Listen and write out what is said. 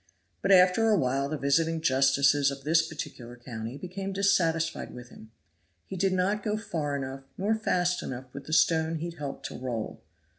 But after a while the visiting justices of this particular county became dissatisfied with him; he did not go far enough nor fast enough with the stone he had helped to roll.